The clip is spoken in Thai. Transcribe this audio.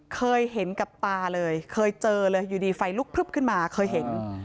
เคยเห็นกับตาเลยเคยเจอเลยอยู่ดีไฟลุกพลึบขึ้นมาเคยเห็น